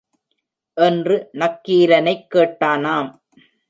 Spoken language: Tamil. என்று நக்கீரனைக் கேட்டானாம்.